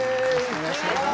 お願いします。